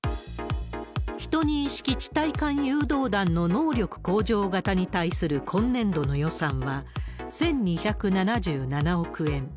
１２式地対艦誘導弾の能力向上型に対する今年度の予算は、１２７７億円。